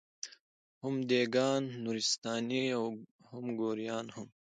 هم دېګان، نورستاني او ګوریان هم